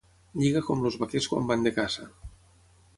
Lliga com els vaquers quan van de caça.